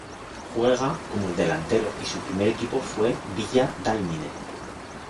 Juega como delantero y su primer equipo fue Villa Dálmine.